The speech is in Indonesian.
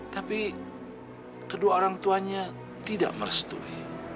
tapi kedua orang tuanya tidak merestui